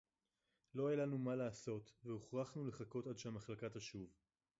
לֹא הָיָה לָנוּ מָה לַעֲשׂוֹת וְהֻוכְרַחְנוּ לְחַכּוֹת עַד שֶׁהַמַּחְלָקָה תָּשׁוּב.